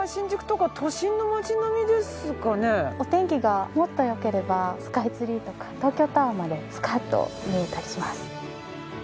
お天気がもっと良ければスカイツリーとか東京タワーまでスカッと見えたりします。